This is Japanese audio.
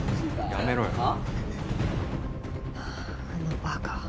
ああのバカ。